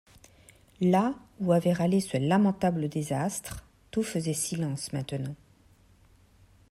Là où avait râlé ce lamentable désastre, tout faisait silence maintenant.